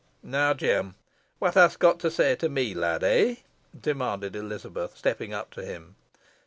"Now, Jem, what hast got to say to me, lad, eh?" demanded Elizabeth, stepping up to him.